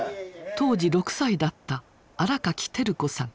当時６歳だった新垣照子さん。